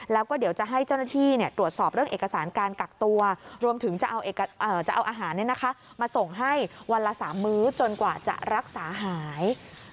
แล้วก็เดี๋ยวจะให้เจ้าหน้าที่ตรวจสอบเรื่องเอกสารการกักตัวรวมถึงจะเอาอาหารมาส่งให้วันละ๓มื้อจนกว่าจะรักษาหาย